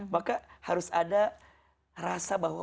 maka harus ada rasa bahwa